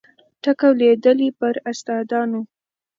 ټکه لوېدلې پر استادانو